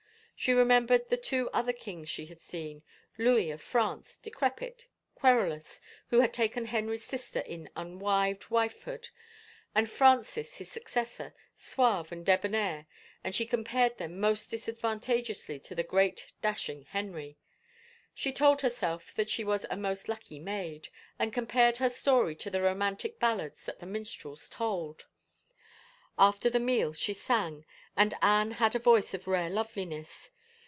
She remembered the two other kings she had seen, Louis of France, decrepit, querulous, who had taken Henry's sister in unwived wifehood, and Francis, his successor, suave and debonair, and she compared them most disadvan tageously to this great, dashing Henry. She told herself that she was a most lucky maid, and compared her story to the romantic ballads that the minstrels told. After the meal she sang, and Anne had a voice of rare loveliness.